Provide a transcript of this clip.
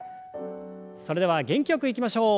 それでは元気よくいきましょう。